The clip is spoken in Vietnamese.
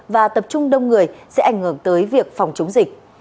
và tập trung đông người sẽ ảnh hưởng tới việc phòng chống dịch